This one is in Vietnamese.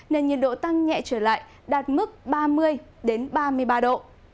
nền nhiệt độ tăng nhẹ trở lại đạt mức ba mươi đến ba mươi ba độ